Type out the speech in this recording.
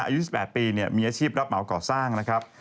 อายุ๑๘ปีมีอาชีพรับเหมาก่อสร้างนะครับ